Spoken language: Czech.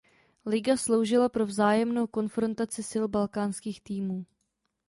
Liga sloužila pro vzájemnou konfrontaci sil balkánských týmů.